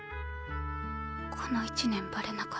この一年バレなかった。